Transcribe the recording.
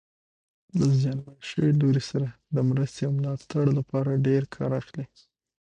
له زیانمن شوي لوري سره د مرستې او ملاتړ لپاره ډېر کار اخلي.